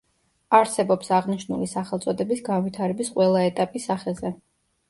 არსებობს აღნიშნული სახელწოდების განვითარების ყველა ეტაპი სახეზე.